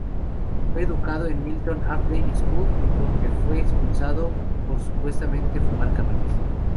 Fue educado en Milton Abbey School, de donde fue expulsado por supuestamente fumar cannabis.